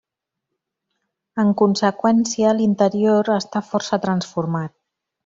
En conseqüència l'interior està força transformat.